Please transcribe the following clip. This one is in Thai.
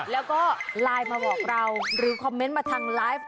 แล้วก็ไลน์มาบอกเราหรือคอมเมนต์มาทางไลฟ์